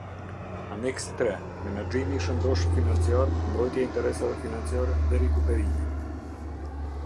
Aneksi Ill- Menaxhimi i shëndoshë financiar- Mbrojtja e interesave financiare dhe rikuperimi.